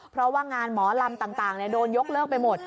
เพราะว่างานหมอลำต่างโดนยกเลิกไปหมด